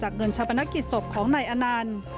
เงินชาปนกิจศพของนายอนันต์